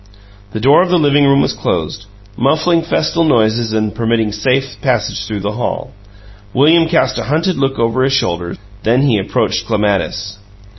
The door of the living room was closed, muffling festal noises and permitting safe passage through the hall. William cast a hunted look over his shoulder; then he approached Clematis.